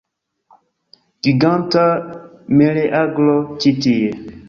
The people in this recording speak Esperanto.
Giganta meleagro ĉi tie!